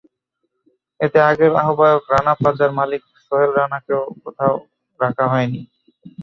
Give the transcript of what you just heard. এতে আগের আহ্বায়ক রানা প্লাজার মালিক সোহেল রানাকে কোথাও রাখা হয়নি।